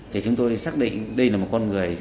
thì chúng tôi xác định đây là một con người